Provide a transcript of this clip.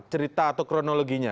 cerita atau kronologinya